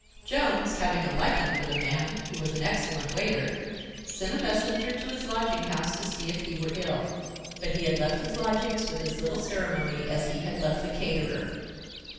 Jones, having a liking for the man, who was an excellent waiter, sent a messenger to his lodging house to see if he were ill. But he had left his lodgings with as little ceremony as he had left the caterer.